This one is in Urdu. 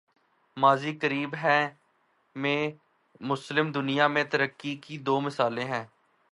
ماضی قریب میں، مسلم دنیا میں ترقی کی دو مثالیں ہیں۔